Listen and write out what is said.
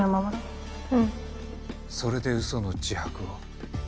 それでウソの自白を。